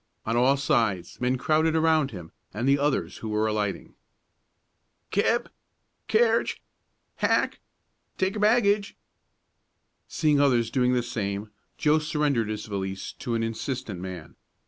On all sides men crowded around him and the others who were alighting. "Keb! Carriage! Hack! Take your baggage!" Seeing others doing the same, Joe surrendered his valise to an insistent man.